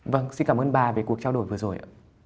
vâng xin cảm ơn bà về cuộc trao đổi vừa rồi ạ